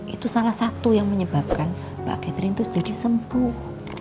itu salah satu yang menyebabkan pak catherine itu jadi sembuh